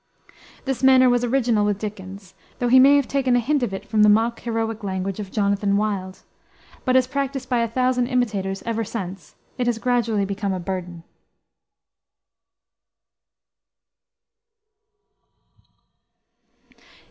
This manner was original with Dickens, though he may have taken a hint of it from the mock heroic language of Jonathan Wild; but as practiced by a thousand imitators, ever since, it has gradually become a burden.